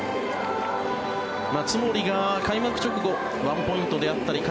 津森が開幕直後ワンポイントであったり回